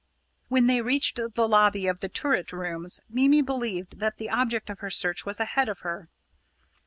When they reached the lobby of the turret rooms, Mimi believed that the object of her search was ahead of her.